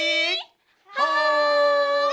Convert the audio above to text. はい！